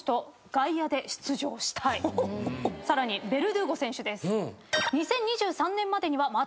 さらにベルドゥーゴ選手です。